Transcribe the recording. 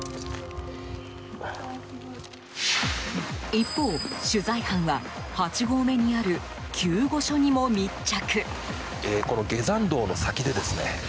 一方、取材班は８合目にある救護所にも密着。